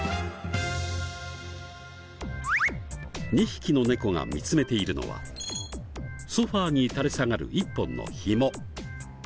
２匹の猫が見つめているのはソファに垂れ下がる一本のひも。